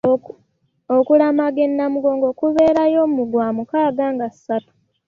Okulamaga e Namugongo ku berayo mu gwa mukaaga nga ssatu.